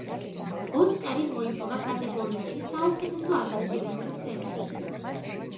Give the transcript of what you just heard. ოსკარი მოიპოვა კატეგორიაში საუკეთესო ადაპტირებული სცენარისთვის.